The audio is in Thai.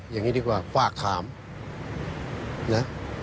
อย่างนี้ดีกว่าฝากถามนะ